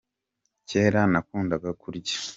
kera nakundaga kurya